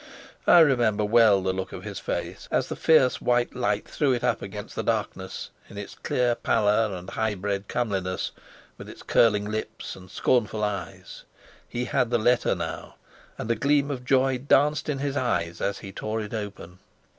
I remember well the look of his face as the fierce white light threw it up against the darkness in its clear pallor and high bred comeliness, with its curling lips and scornful eyes. He had the letter now, and a gleam of joy danced in his eyes as he tore it open.